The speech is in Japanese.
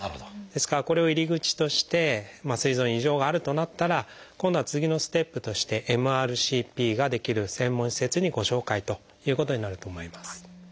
ですからこれを入り口としてすい臓に異常があるとなったら今度は次のステップとしてＭＲＣＰができる専門施設にご紹介ということになると思います。